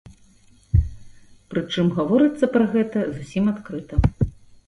Прычым гаворыцца пра гэта зусім адкрыта.